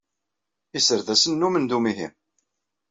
Iserdasen nnumen d umihi.